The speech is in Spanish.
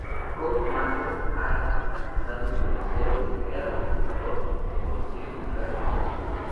Codemasters ha enfatizado su deseo de crear un simulador con "Dirt Rally.